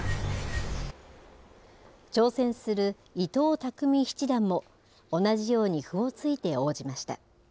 挑戦する伊藤匠七段も、同じように歩を突いて応じました。